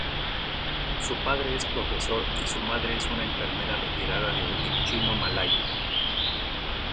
Su padre es profesor y su madre es una enfermera retirada de origen chino-malayo.